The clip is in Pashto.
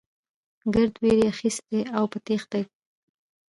ګرد وېرې اخيستي او په تېښته وو.